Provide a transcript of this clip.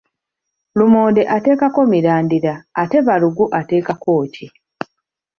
Lumonde ateekako mirandira ate balugu ateekako ki?